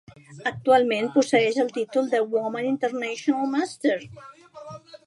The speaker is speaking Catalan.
Actualment posseeix el títol de "Woman International Master".